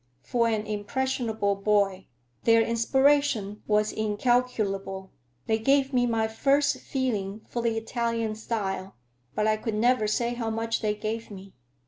For an impressionable boy, their inspiration was incalculable. They gave me my first feeling for the Italian style—but I could never say how much they gave me.